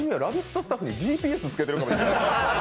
スタッフにＧＰＳつけてるかもしれない。